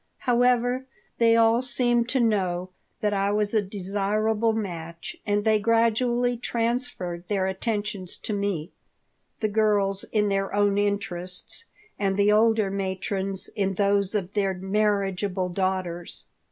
However, they all seemed to know that I was a desirable match and they gradually transferred their attentions to me, the girls in their own interests and the older matrons in those of their marriageable daughters.